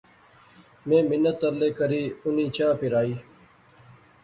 میں منت ترلے کری انیں چاء پیرائی